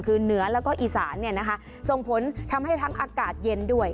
คือเหนือแล้วก็อีสานเนี่ยนะคะส่งผลทำให้ทั้งอากาศเย็นด้วย